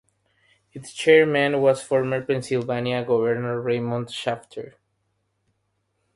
Its chairman was former Pennsylvania Governor Raymond P. Shafer.